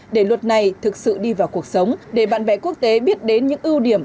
để luật này thực sự đi vào cuộc sống để bạn bè quốc tế biết đến những ưu điểm